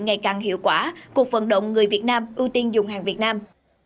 ngày càng hiệu quả cuộc vận động người việt nam ưu tiên dùng hàng việt nam